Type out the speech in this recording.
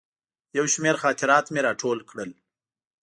یو شمېر خاطرات مې راټول کړل.